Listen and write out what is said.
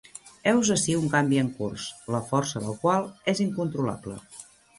Heus ací un canvi en curs, la força del qual és incontrolable.